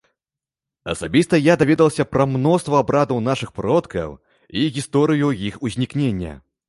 Асабіста я даведалася пра мноства абрадаў нашых продкаў і гісторыю іх узнікнення.